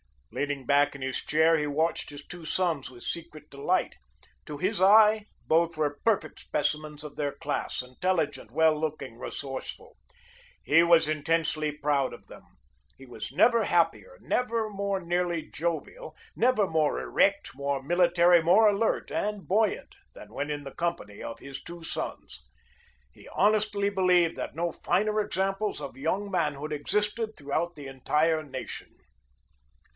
Leaning back in his chair, he watched his two sons with secret delight. To his eye, both were perfect specimens of their class, intelligent, well looking, resourceful. He was intensely proud of them. He was never happier, never more nearly jovial, never more erect, more military, more alert, and buoyant than when in the company of his two sons. He honestly believed that no finer examples of young manhood existed throughout the entire nation.